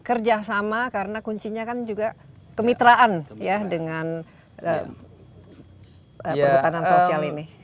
kerjasama karena kuncinya kan juga kemitraan ya dengan perhutanan sosial ini